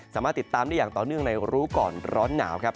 สามารถติดตามได้อย่างต่อเนื่องในรู้ก่อนร้อนหนาวครับ